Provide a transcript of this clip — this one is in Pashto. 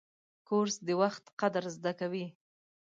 کورس د وخت قدر زده کوي.